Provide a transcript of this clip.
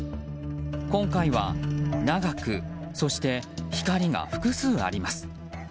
今回は長くそして光が複数あります。